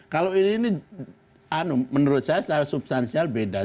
kalau ini menurut saya secara substansial beda